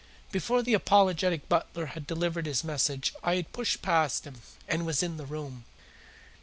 Before the apologetic butler had delivered his message I had pushed past him and was in the room.